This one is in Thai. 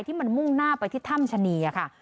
ที่มันมุ่งหน้าไปที่ถ้ำชะนีค่ะ